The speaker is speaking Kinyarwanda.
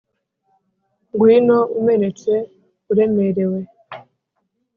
ngwino umenetse, uremerewe